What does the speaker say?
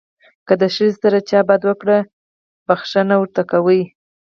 که د ښځې سره چا بد وکړل بښنه ورته کوي.